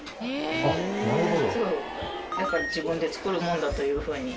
だから自分で作るもんだというふうに。